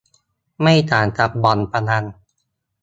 ไม่ต่างจากบ่อนพนัน